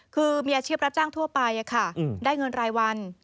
คือมีอาชีพรับจ้างทั่วไปได้เงินรายวัน